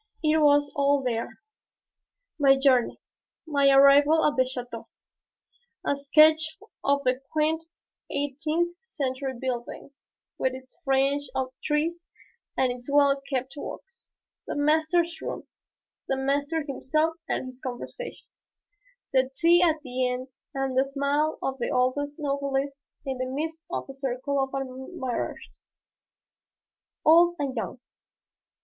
It was all there, my journey, my arrival at the chateau, a sketch of the quaint eighteenth century building, with its fringe of trees and its well kept walks, the master's room, the master himself and his conversation; the tea at the end and the smile of the old novelist in the midst of a circle of admirers, old and young.